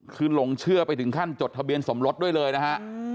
คือหลงเชื่อไปถึงขั้นจดทะเบียนสมรสด้วยเลยนะฮะ